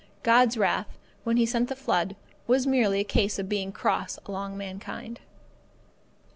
God's wrath, when He sent the Flood, was merely a case of being cross along mankind.